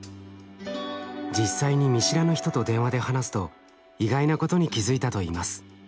実際に見知らぬ人と電話で話すと意外なことに気付いたと言います。